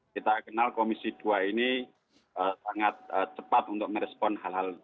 kita kenal komisi dua ini sangat cepat untuk merespon hal hal